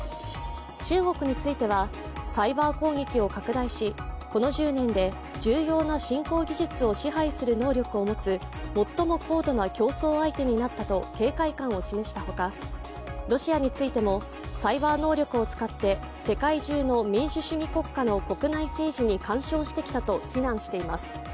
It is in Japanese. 中国についてはサイバー攻撃を拡大し、この１０年で重要な新興技術を支配する技術を持つ最も高度な競争相手になったと警戒感を示したほかロシアについても、サイバー能力を使って、世界中の民主主義国家の国内政治に干渉し来たと非難しています。